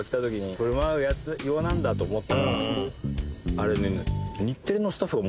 あれね。